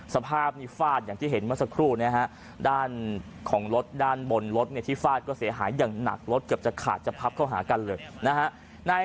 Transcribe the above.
สภาพนี่ฟาดอย่างที่เห็นเมื่อสักครู่นะฮะด้านของรถด้านบนรถเนี่ยที่ฟาดก็เสียหายอย่างหนักรถเกือบจะขาดจะพับเข้าหากันเลยนะฮะ